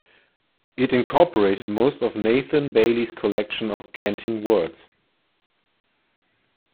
It incorporated most of Nathan Bailey's collection of canting words.